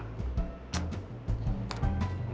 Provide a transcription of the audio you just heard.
nyetah si abah mah